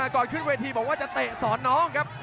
ก่อนขึ้นเวทีจะเตะศรน้องครับ